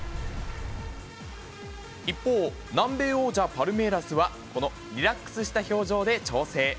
一方、南米王者パルメイラスはリラックスした表情で調整。